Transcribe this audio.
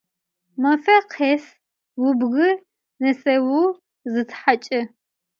Mafe khes vubgı neseu zıthaç'!